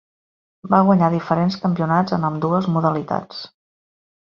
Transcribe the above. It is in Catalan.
Va guanyar diferents campionats en ambdues modalitats.